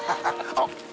あっ！